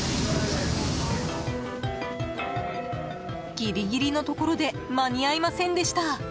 ギリギリのところで間に合いませんでした。